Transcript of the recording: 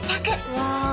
うわ。